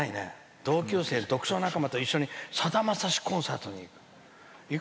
同級生、読書仲間と一緒にさだまさしコンサートに行く。